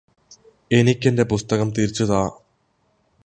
എനിക്കെന്റെ പുസ്തകം തിരിച്ചു താ